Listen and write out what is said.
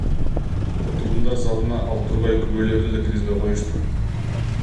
Отурумдар залына ал тургай күбөлөрдү да киргизбей коюшту!